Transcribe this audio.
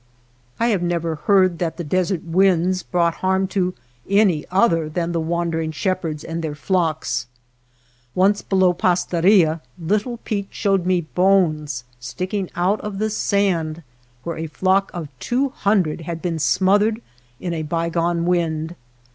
I have never heard that the desert winds brought harm to any other than the wandering shepherds and 260 NURSLINGS OF THE SKY their flocks. Once below Pastaria Little Pete showed me bones sticking out of the sand where a flock of two hundred had been smothered in a bygone wind.